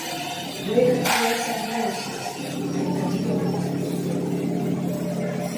Ёй хацелася зноў сесці, але каб ён пасадзіў яе.